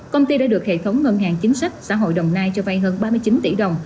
công ty đã được hệ thống ngân hàng chính sách xã hội đồng nai cho vay hơn ba mươi chín tỷ đồng